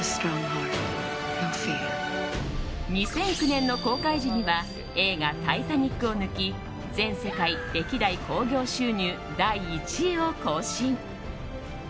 ２００９年の公開時には映画「タイタニック」を抜き全世界歴代興行収入第１位を更新。